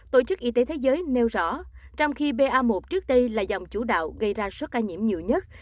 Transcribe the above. tổ chức y tế thế giới nêu rõ trong khi ba một trước đây là dòng chủ đạo gây ra số ca nhiễm nhiều nhất